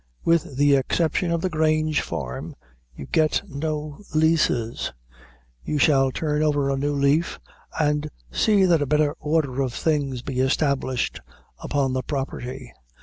With the exception of the Grange farm, you get no leases. We shall turn over a new leaf, and see that a better order of things be established upon the property.